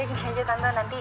tante aku mau pergi